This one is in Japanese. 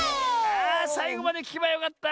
あさいごまできけばよかった！